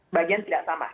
bagian tidak sama